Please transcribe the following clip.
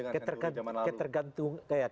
keterkaitannya dengan jaman lalu